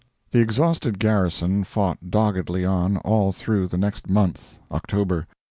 The exhausted garrison fought doggedly on all through the next month October.